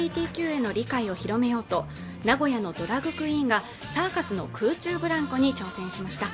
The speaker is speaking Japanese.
ＬＧＢＴＱへの理解を広めようと名古屋のドラァグクイーンがサーカスの空中ブランコに挑戦しました